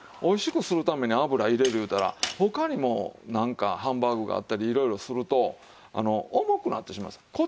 おいしくするために油入れるいうたら他にもなんかハンバーグがあったりいろいろすると重くなってしまうんです。